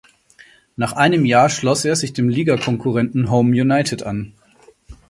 Nach einem Jahr schloss er sich dem Ligakonkurrenten Home United an.